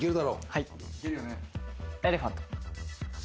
はい。